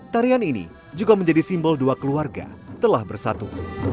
tarian ini juga menjadi simbol dua keluarga telah bersatu